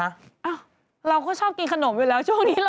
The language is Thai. อ้าวเราก็ชอบกินขนมอยู่แล้วช่วงนี้